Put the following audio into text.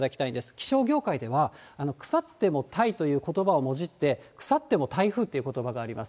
気象業界では、腐っても鯛ということばをもじって、腐っても台風ということばがあります。